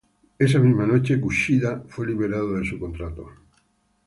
La misma noche, Kushida fue liberado de su contrato.